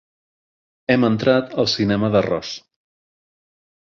Hem entrat al cinema d'arròs.